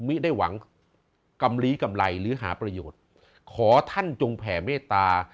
ไม่ได้หวังกำลีกำไรหรือหาประโยชน์ขอท่านจงแผ่เมตตา